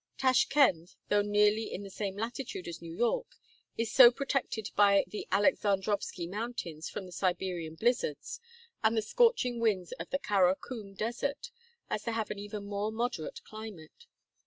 Tashkend, though nearly in the same latitude as New York, is so protected by the Alexandrovski mountains from the Siberian blizzards and the scorching winds of the Kara Kum desert as to have an even more moderate climate.